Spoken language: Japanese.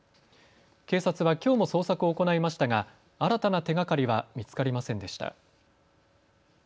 警察は、きょうも捜索を行いましたが新たな手がかりは見つかりませんでした。